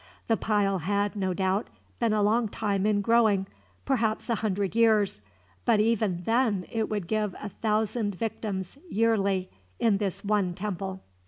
The pile had, no doubt, been a long time in growing, perhaps a hundred years; but even then it would give a thousand victims, yearly, in this one temple.